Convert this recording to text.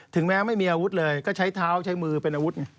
แม้ไม่มีอาวุธเลยก็ใช้เท้าใช้มือเป็นอาวุธไง